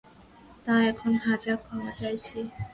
তা এখন হাজার ক্ষমা চাইছি।